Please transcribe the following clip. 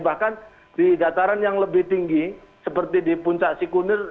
bahkan di dataran yang lebih tinggi seperti di puncak sikunir